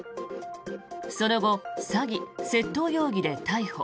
その後、詐欺・窃盗容疑で逮捕。